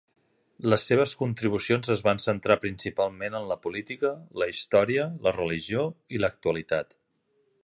Les seves contribucions es van centrar principalment en la política, la història, la religió i l'actualitat.